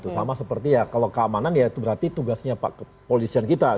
sama seperti ya kalau keamanan ya itu berarti tugasnya pak kepolisian kita